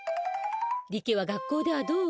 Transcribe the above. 力は学校ではどう？